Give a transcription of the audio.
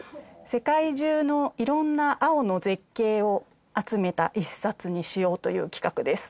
世界中の色んな青の絶景を集めた１冊にしようという企画です。